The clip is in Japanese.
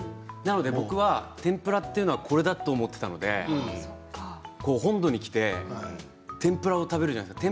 僕は天ぷらはこれだと思っていたので本土に来て天ぷらを食べるじゃないですか